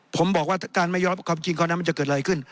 ผมบอกว่าการไม่ยอมรับความจริงข้อนั้นมันจะเกิดอะไรขึ้น